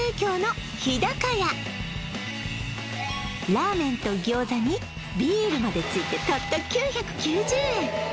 ラーメンと餃子にビールまでついてたった９９０円